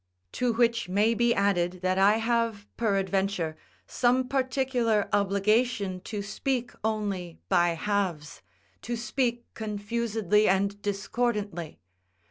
To which may be added that I have, peradventure, some particular obligation to speak only by halves, to speak confusedly and discordantly.